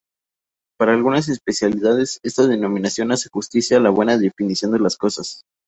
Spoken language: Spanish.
Para algunos especialistas, esta denominación hace justicia a la buena definición de las cosas.